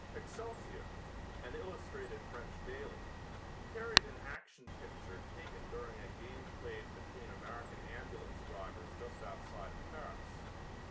Excelsior, an illustrated French daily, carried an action picture taken during a game played between American ambulance drivers just outside of Paris.